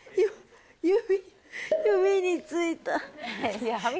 指、指についた。